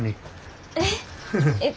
えっ。